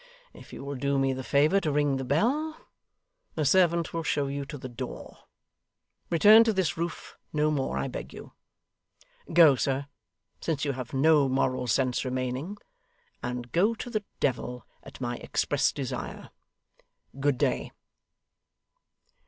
If you will do me the favour to ring the bell, the servant will show you to the door. Return to this roof no more, I beg you. Go, sir, since you have no moral sense remaining; and go to the Devil, at my express desire. Good day.